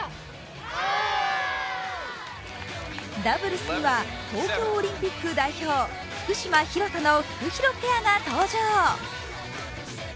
ダブルスには東京オリンピック代表、福島・廣田のフクヒロペアが登場。